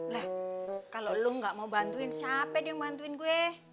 leh kalau lo gak mau bantuin siapa dia yang bantuin gue